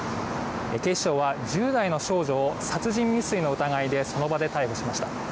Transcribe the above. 警視庁は１０代の少女を殺人未遂の疑いでその場で逮捕しました。